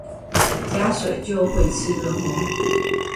加水就會吃了齁